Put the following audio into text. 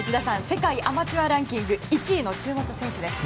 世界アマチュアランキング１位の注目の選手です。